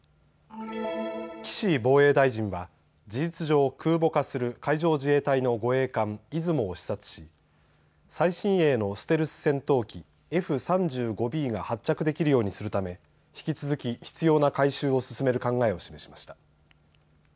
岸防衛大臣は事実上、空母化する海上自衛隊の護衛艦いずもを視察し最新鋭のステルス戦闘機、Ｆ３５Ｂが発着できるようにするため引き続き必要な改修を進める考えを示しました。